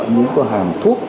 những cái hàng thuốc